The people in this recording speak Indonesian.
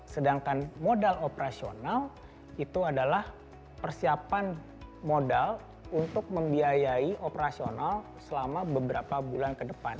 sedangkan modal operasional itu adalah persiapan modal untuk membiayai operasional selama beberapa bulan ke depan